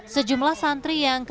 sejumlah santri yang ketiga